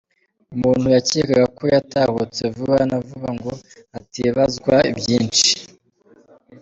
Umuntu yakeka ko yatahutse vuba na vuba ngo hatibazwa byinshi